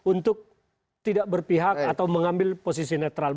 untuk tidak berpihak atau mengambil posisi netral